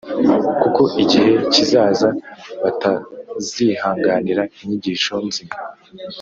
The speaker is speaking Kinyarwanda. kuko igihe kizaza batazihanganira inyigisho nzima